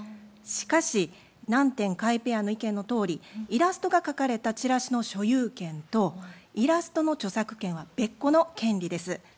しかし南天・甲斐ペアの意見のとおりイラストが描かれたチラシの所有権とイラストの著作権は別個の権利です。